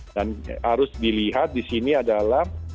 dan harus dilihat di sini adalah